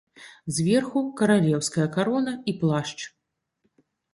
Зверху каралеўская карона і плашч.